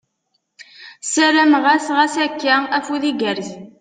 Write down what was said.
Ssarameɣ-as ɣas akka, afud igerrzen !